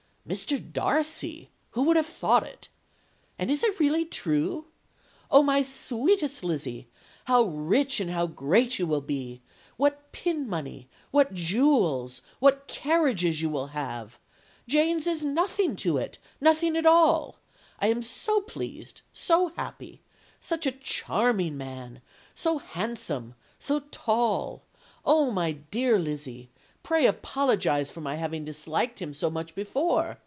Mr. Darcy! Who would have thought it! And it is really true? Oh, my sweetest Lizzy! how rich and how great you will be! What pin money, what jewels, what carriages you will have! Jane's is nothing to it nothing at all. I am so pleased so happy! Such a charming man! so handsome! so tall Oh, my dear Lizzy! pray apologize for my having disliked him so much before.